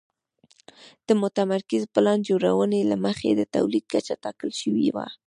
د متمرکزې پلان جوړونې له مخې د تولید کچه ټاکل شوې وه